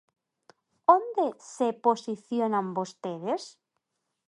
Onde se posicionan vostedes?